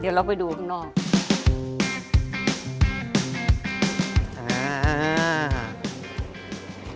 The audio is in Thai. เดี๋ยวเราไปดูข้างนอก